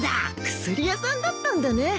薬屋さんだったんだね